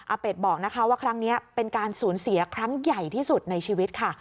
เป็ดบอกนะคะว่าครั้งนี้เป็นการสูญเสียครั้งใหญ่ที่สุดในชีวิตค่ะ